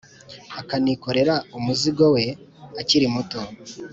akanikorera umuzigo we, akiri muto.